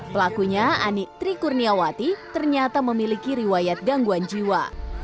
pelakunya anik trikurniawati ternyata memiliki riwayat gangguan jiwa